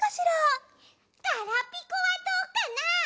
ガラピコはどうかな？